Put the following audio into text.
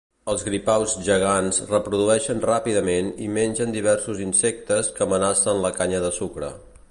Els gripaus gegants reprodueixen ràpidament i mengen diversos insectes que amenacen la canya de sucre.